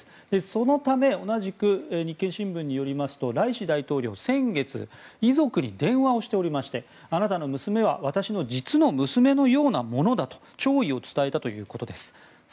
そのため同じく日経新聞によりますとライシ大統領、先月遺族に電話をしておりましてあなたの娘は私の実の娘のようなものだと弔意を伝えたということです。